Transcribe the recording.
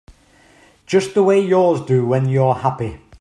Just the way yours do when you're happy.